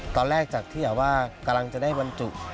ตอนแรกจากที่แบบว่ากำลังจะได้บรรจุ